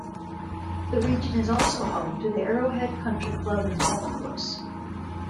The region is also home to the Arrowhead Country Club and Golf Course.